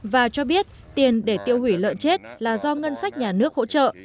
và cho biết tiền để tiêu hủy lợn chết là do ngân sách nhà nước hỗ trợ